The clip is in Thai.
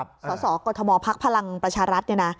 สสกฎมพลักษณ์พลังประชารัฐ